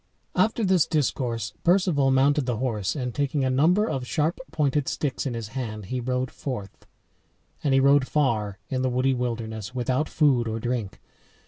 After this discourse Perceval mounted the horse and taking a number of sharp pointed sticks in his hand he rode forth. And he rode far in the woody wilderness without food or drink.